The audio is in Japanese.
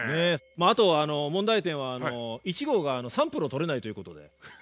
あと問題点は１号がサンプルを採れないということで。